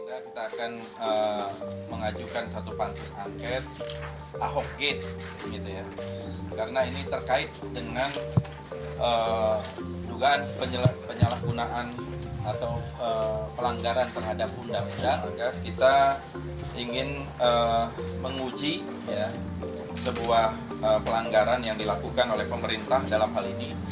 atau pelanggaran terhadap undang undang agar kita ingin menguji sebuah pelanggaran yang dilakukan oleh pemerintah dalam hal ini